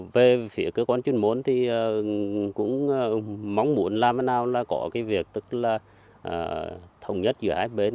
về phía cơ quan chuyên môn thì cũng mong muốn làm thế nào là có cái việc tức là thống nhất giữa hai bên